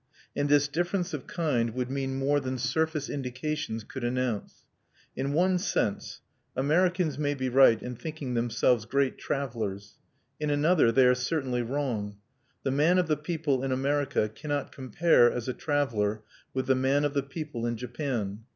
And this difference of kind would mean more than surface indications could announce. In one sense, Americans may be right in thinking themselves great travelers. In another, they are certainly wrong; the man of the people in America cannot compare, as a traveler, with the man of the people in Japan.